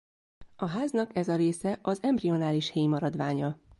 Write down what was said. A háznak ez a része az embrionális héj maradványa.